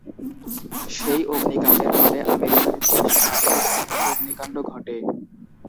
সেই অগ্নিকান্ডের ফলে আমেরিকার ইতিহাসে সবচেয়ে ভয়াবহ অগ্নিকান্ড ঘটে।